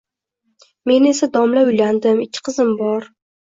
Men esa “Domla, uylandim, ikki qizim bor.